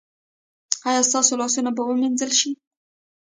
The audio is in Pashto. ایا ستاسو لاسونه به وینځل نه شي؟